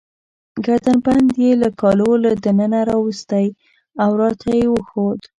ګردن بند يې له کالو له دننه راوایستی، او راته يې وښود.